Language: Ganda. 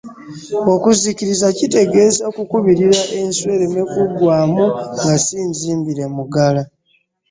Okuzikiriza kitegeeza okukubirira enswa ereme kuggwaamu nga si nzimbire mugala.